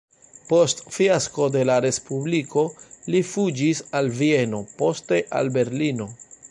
Post fiasko de la respubliko li fuĝis al Vieno, poste al Berlino.